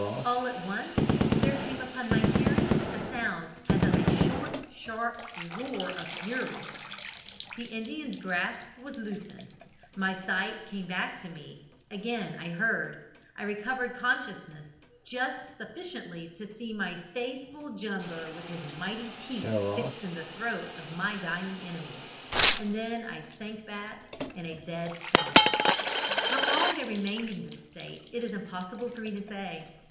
"All at once there came upon my hearing the sound as of a short, sharp roar of fury the Indian's grasp was loosened my sight came back to me, again I heard, I recovered consciousness just sufficiently to see my faithful Jumbo with his mighty teeth fixed in the throat of my dying enemy, and then I sank back in a dead faint. "How long I remained in this state it is impossible for me to say.